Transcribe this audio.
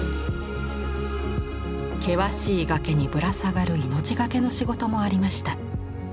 険しい崖にぶら下がる命懸けの仕事もありました。